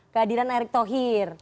kehadiran erick thohir